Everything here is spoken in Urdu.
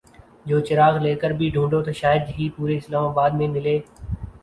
جو چراغ لے کر بھی ڈھونڈو تو شاید ہی پورے اسلام آباد میں ملے ۔